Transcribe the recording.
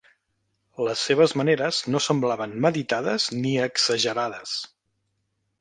Les seves maneres no semblaven meditades ni exagerades.